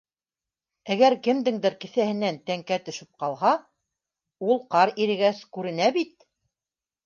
Әгәр кемдеңдер кеҫәһенән тәңкә төшөп ҡалһа, ул ҡар ирегәс күренә бит.